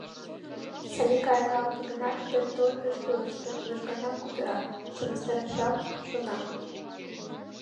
Салика иралте гынат, тыр-тор ыш пелеште, лыжганак кутыра, сымыстарашак шона.